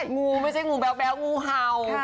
งูไม่ใช่งูแบ๊วงูเห่า